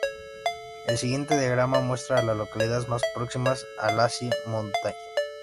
El siguiente diagrama muestra a las localidades más próximas a Lazy Mountain.